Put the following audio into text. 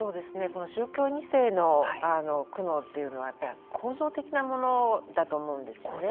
この宗教２世の苦悩というのは構造的なものだと思うんですね。